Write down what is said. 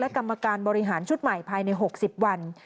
กรรมการบริหารชุดใหม่ภายใน๖๐วัน